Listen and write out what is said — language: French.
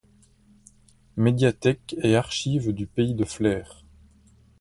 Médiathèque et archives du Pays de Flers.